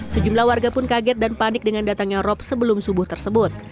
sejumlah warga pun kaget dan panik dengan datangnya rop sebelum subuh tersebut